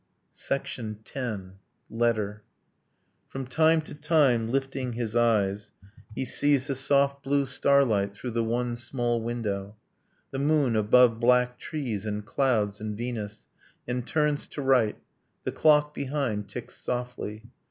X. LETTER From time to time, lifting his eyes, he sees The soft blue starlight through the one small window, The moon above black trees, and clouds, and Venus, And turns to write ... The clock, behind ticks softly.